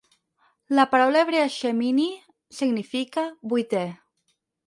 La paraula hebrea "shemini" significa "vuitè".